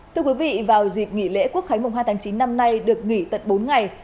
thưa quý vị vào dịp nghỉ lễ quốc khánh mùng hai tháng chín năm nay được nghỉ tận bốn ngày